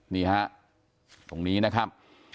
นี่ฮะตรงนี้นะครับ